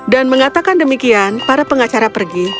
dan mengatakan demikian para pengacara pergi